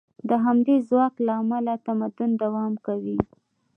د همدې ځواک له امله تمدن دوام کوي.